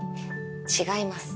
違います